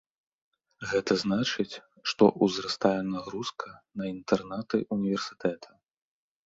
Гэта значыць, што ўзрастае нагрузка на інтэрнаты ўніверсітэта.